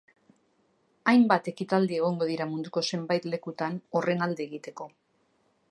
Hainbat ekitaldi egongo dira munduko zenbait lekutan horren alde egiteko.